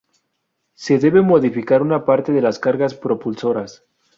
Se debe modificar una parte de las cargas propulsoras.